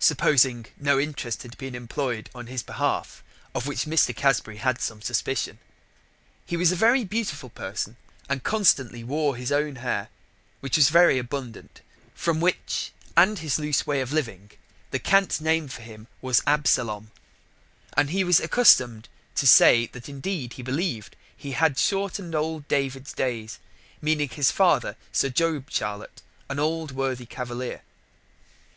supposing that no interest had been imploy'd on his behalf, of which Mr. Casbury had some suspicion. He was a very beautiful person, and constantly wore his own Hair, which was very abundant, from which, and his loose way of living, the cant name for him was Absalom, and he was accustom'd to say that indeed he believ'd he had shortened old David's days, meaning his father, Sir Job Charlett, an old worthy cavalier.